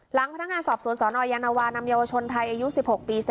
หลังพนักงานศพสวรรคนศรศรสอนอวอยานวานำยาวชนไทยอายุสิบหกปี